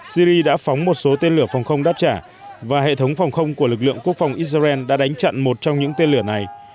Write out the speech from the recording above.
syri đã phóng một số tên lửa phòng không đáp trả và hệ thống phòng không của lực lượng quốc phòng israel đã đánh chặn một trong những tên lửa này